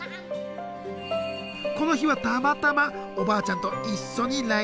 この日はたまたまおばあちゃんと一緒に来日。